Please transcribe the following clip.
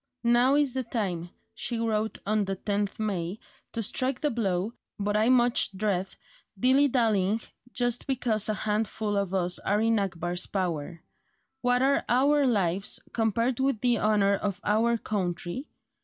"Now is the time," she wrote on the 10th May, "to strike the blow, but I much dread dilly dallying just because a handful of us are in Akbar's power. What are our lives compared with the honour of our country?